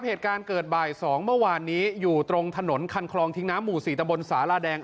เหตุการณ์เกิดบ่าย๒เมื่อวานนี้อยู่ตรงถนนคันคลองทิ้งน้ำหมู่๔ตะบนสาราแดง